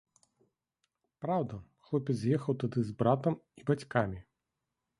Праўда, хлопец з'ехаў туды з братам і бацькамі.